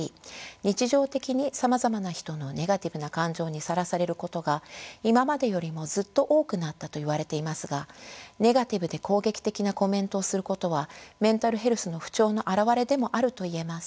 日常的にさまざまな人のネガティブな感情にさらされることが今までよりもずっと多くなったといわれていますがネガティブで攻撃的なコメントをすることはメンタルヘルスの不調の表れでもあるといえます。